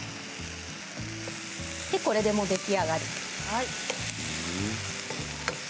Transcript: これで、もう出来上がり。